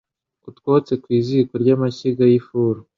Utwotse ku ziko ry’amashyiga y’ifuru.